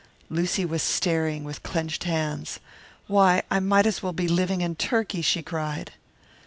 Lucy was staring, with clenched hands. "Why, I might as well be living in Turkey," she cried.